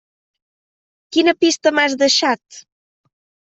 Quina pista m'has deixat?